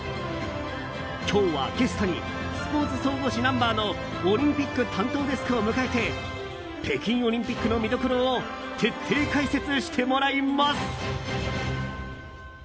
今日はゲストにスポーツ総合誌「Ｎｕｍｂｅｒ」のオリンピック担当デスクを迎えて北京オリンピックの見どころを徹底解説してもらいます。